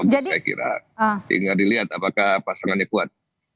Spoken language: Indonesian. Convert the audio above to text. saya kira tinggal dilihat apakah pasangannya kuat